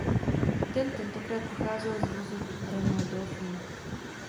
Ten tentokrát pocházel z vozu Renault Dauphine.